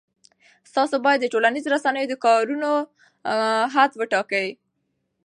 تاسو باید د ټولنیزو رسنیو د کارولو حد وټاکئ.